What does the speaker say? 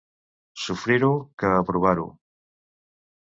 Sofrir-ho que aprovar-ho.